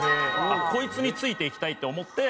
こいつについていきたいって思って。